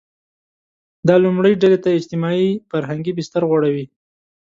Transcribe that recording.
دا لومړۍ ډلې ته اجتماعي – فرهنګي بستر غوړوي.